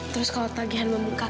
terus kalau tagihan membuka